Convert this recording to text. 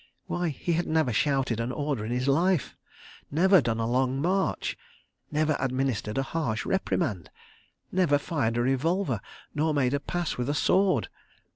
Why, he had never shouted an order in his life; never done a long march; never administered a harsh reprimand; never fired a revolver nor made a pass with a sword.